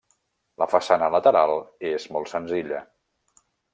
La façana lateral és molt senzilla.